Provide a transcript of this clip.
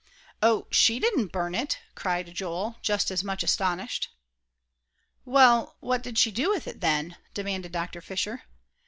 "Oh, she didn't burn it," cried Joel, just as much astonished. "Well, what did she do with it, then?" demanded Dr. Fisher.